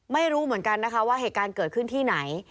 ไม่รู้เหมือนกันนะคะว่าเหตุการณ์เกิดขึ้นที่ไหน